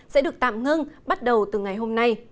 sẽ được tạo ra